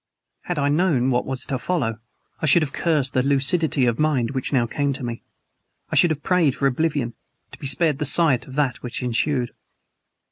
Had I known what was to follow I should have cursed the lucidity of mind which now came to me; I should have prayed for oblivion to be spared the sight of that which ensued.